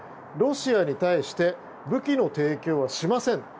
ロシアに対して武器の提供はしません